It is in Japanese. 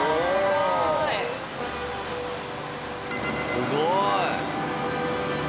すごい！